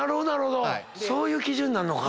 そういう基準になんのか。